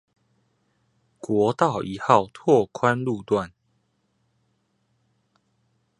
國道一號拓寬路段